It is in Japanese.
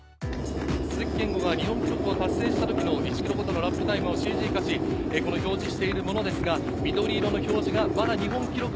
鈴木健吾が日本記録を達成した時の１ｋｍごとのラップタイムをＣＧ化し表示しているものですが。